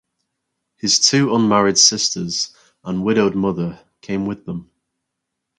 His two unmarried sisters and widowed mother came with them.